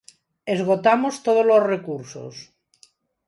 Esgotamos todos os recursos.